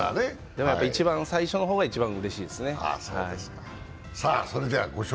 いちばん最初の方は一番うれしいですね。